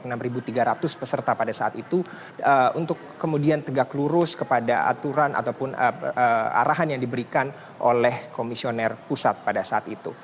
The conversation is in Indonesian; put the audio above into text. ini adalah satu satu hal yang harus disampaikan oleh komisioner pusat pada saat itu untuk kemudian tegak lurus kepada aturan ataupun arahan yang diberikan oleh komisioner pusat pada saat itu